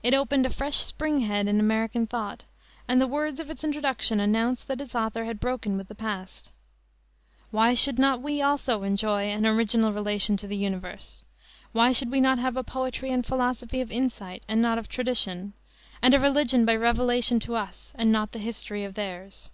It opened a fresh spring head in American thought, and the words of its introduction announced that its author had broken with the past. "Why should not we also enjoy an original relation to the universe? Why should not we have a poetry and philosophy of insight and not of tradition, and a religion by revelation to us and not the history of theirs?"